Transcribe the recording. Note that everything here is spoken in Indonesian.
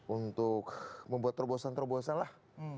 untuk membuat terobosan terobosan lah